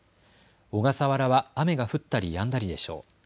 小笠原は雨が降ったりやんだりでしょう。